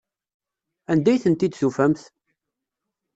Anda ay tent-id-tufamt?